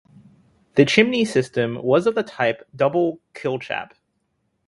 The chimney system was of the type Double-Kylchap.